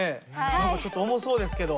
何かちょっと重そうですけど。